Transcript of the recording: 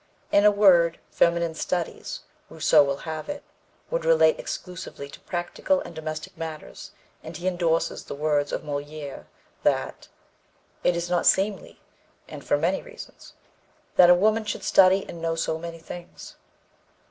In a word, feminine studies, Rousseau will have it, should relate exclusively to practical and domestic matters and he endorses the words of Molière that "It is not seemly, and for many reasons, That a woman should study and know so many things."